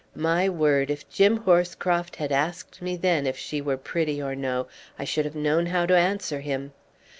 My word, if Jim Horscroft had asked me then if she were pretty or no, I should have known how to answer him!